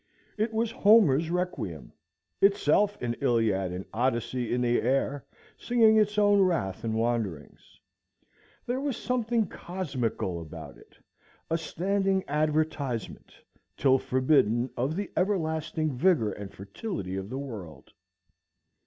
It was Homer's requiem; itself an Iliad and Odyssey in the air, singing its own wrath and wanderings. There was something cosmical about it; a standing advertisement, till forbidden, of the everlasting vigor and fertility of the world.